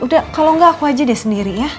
udah kalau enggak aku aja deh sendiri ya